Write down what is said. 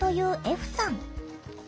歩さん。